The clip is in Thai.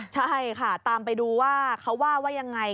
ใช่ค่ะตามไปดูว่าเขาว่าว่ายังไง